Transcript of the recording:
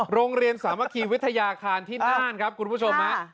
โรงเรียนสามัคคีวิทยาคารที่น่านครับคุณผู้ชมฮะ